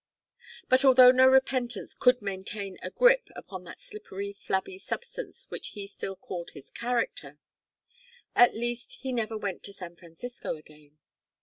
But although no repentance could maintain a grip upon that slippery flabby substance which he still called his character, at least he never went to San Francisco again.